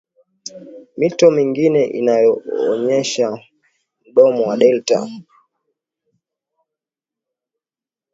Mito mingine inaonyesha mdomo wa delta